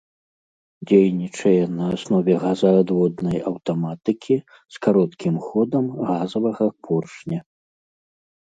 Дзейнічае на аснове газаадводнай аўтаматыкі з кароткім ходам газавага поршня.